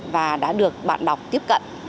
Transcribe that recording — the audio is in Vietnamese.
và đã được bạn đọc tiếp cận